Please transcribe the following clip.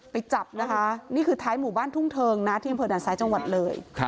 ไปจับนะคะนี่คือท้ายหมู่บ้านทุ่งเทิงนะที่อำเภอด่านซ้ายจังหวัดเลย